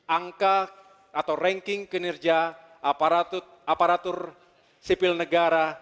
angka atau ranking kinerja aparatur sipil negara